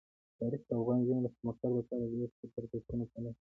تاریخ د افغان نجونو د پرمختګ لپاره ډېر ښه فرصتونه په نښه کوي.